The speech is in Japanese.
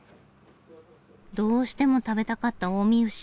どうしても食べたかった近江牛。